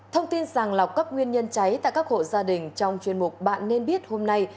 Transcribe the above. thông tin sàng lọc các nguyên nhân cháy tại các hộ gia đình trong chuyên mục bạn nên biết hôm nay